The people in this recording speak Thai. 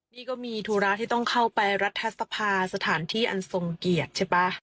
นี่ก็มีธุระที่ต้องเข้าไปรัฐสภาสถานที่อันทรงเกียรติใช่ป่ะ